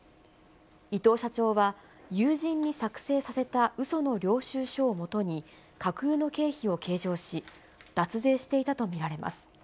伊藤社長は友人に作成させたうその領収証をもとに、架空の経費を計上し、脱税していたと見られます。